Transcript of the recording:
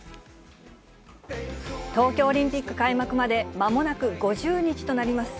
東京オリンピック開幕までまもなく５０日となります。